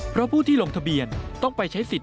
เพราะผู้ที่ลงทะเบียนต้องไปใช้สิทธิ